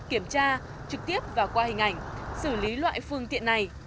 kiểm tra trực tiếp và qua hình ảnh xử lý loại phương tiện này